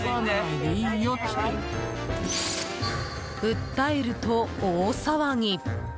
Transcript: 訴えると大騒ぎ。